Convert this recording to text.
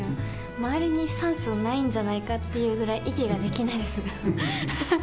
周りに酸素ないんじゃないかっていうぐらい、息ができないです。